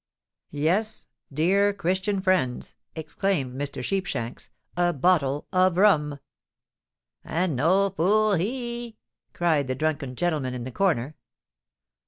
"Yes—dear Christian friends," exclaimed Mr. Sheepshanks; "a bottle of rum!" "And no fool he!" cried the drunken gentleman in the corner.